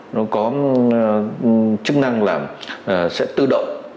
nó có chức năng là sẽ tự động